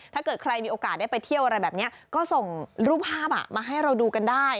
ถ้าเกิดใครมีโอกาสได้ไปเที่ยวอะไรแบบนี้ก็ส่งรูปภาพมาให้เราดูกันได้